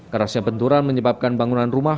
kerasnya benturan menyebabkan bangunan rumah